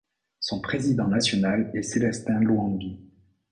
Son président national est Célestin Lwangi.